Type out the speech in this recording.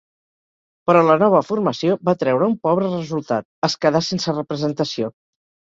Però la nova formació va treure un pobre resultat -es quedà sense representació.